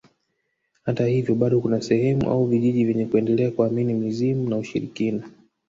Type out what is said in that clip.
Hata hivyo bado kuna sehemu au vijiji vyenye kuendelea kuamini mizimu na ushirikina